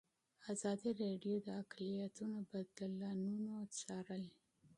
ازادي راډیو د اقلیتونه بدلونونه څارلي.